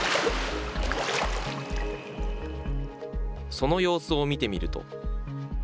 その様子を見てみると。